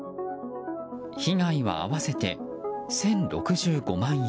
被害は合わせて１０６５万円。